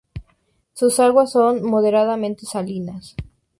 Sus aguas son moderadamente salinas.